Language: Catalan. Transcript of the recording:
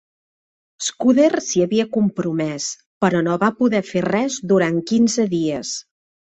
Scudder s'hi havia compromès, però no va poder fer res durant quinze dies.